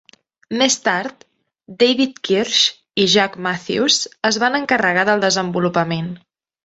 Més tard, David Kirsch i Jack Mathews es van encarregar del desenvolupament.